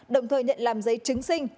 đồng thời nhận làm giấy trứng sinh